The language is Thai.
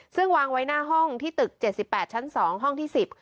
ซึ่งวางไว้หน้าห้องที่ตึก๗๘ชั้น๒ห้องที่๑๐